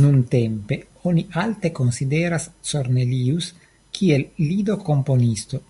Nuntempe oni alte konsideras Cornelius kiel lido-komponisto.